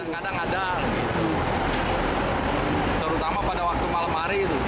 kadang kadang ada terutama pada waktu malam hari